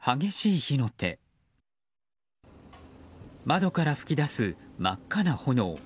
窓から噴き出す真っ赤な炎。